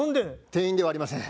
店員ではありません。